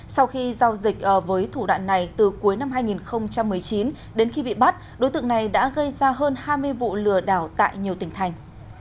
sau khi giao dịch với thủ đoạn này từ cuối năm hai nghìn một mươi chín đến khi bị bắt đối tượng này đã gây ra hơn hai mươi vụ lừa đảo tại nhiều tỉnh thành